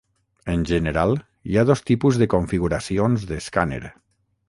En general, hi ha dos tipus de configuracions d'escàner.